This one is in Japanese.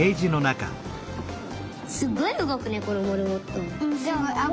すっごいうごくねこのモルモット！